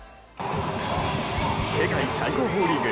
世界最高峰リーグ